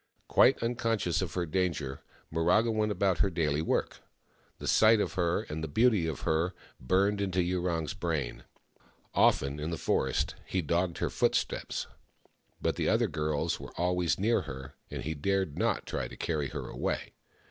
Quite unconscious of her danger, Miraga went about her daily work. The sight of her, and the beauty of her, burned into Yurong's brain ; often in the forest he dogged her footsteps, but the other girls were always near her, and he dared not try to carry her away.